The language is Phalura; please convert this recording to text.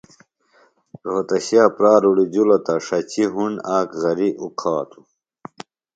رھوتشِیہ پرال اڑِجِلوۡ تہ ݜچیۡ ہُنڈ آک غریۡ اُکھاتہ